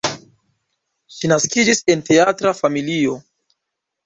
Ŝi naskiĝis en teatra familio.